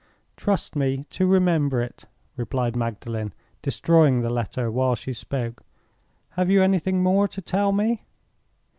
"Trust me to remember it," replied Magdalen, destroying the letter while she spoke. "Have you anything more to tell me?"